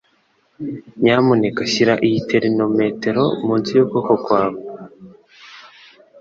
Nyamuneka shyira iyi termometero munsi yukuboko kwawe